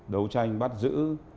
đấu tranh bắt giữ